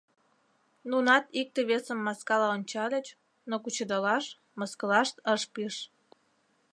Нунат икте-весым маскала ончальыч, но кучедалаш, мыскылаш ышт пиж.